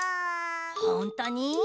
ほんとに？